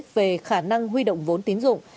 về khả năng huy động vốn tín dụng